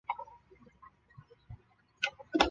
阿格萨克。